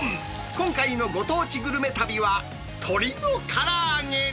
今回のご当地グルメ旅は、鶏のから揚げ。